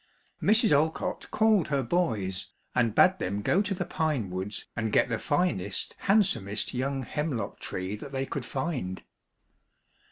(ANONYMOUS.) Mrs. Olcott called her boys, and bade them go to the pine woods and get the finest, handsomest young hemlock tree that they could find.